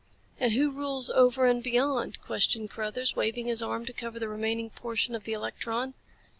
"And who rules over and beyond?" questioned Carruthers, waving his arm to cover the remaining portion of the electron.